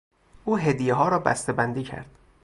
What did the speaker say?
او هدیهها را بسته بندی کرد.